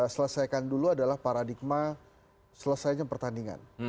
selesaikan dulu adalah paradigma selesainya pertandingan